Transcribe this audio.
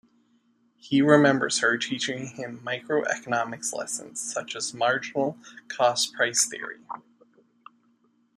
He remembers her teaching him micro-economics lessons, such as marginal cost price theory.